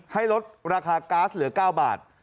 ให้ลดราคาก๊าซเหลือ๙บาท